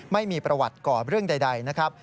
ไม่มีประวัติก่อเรื่องใดนะครับ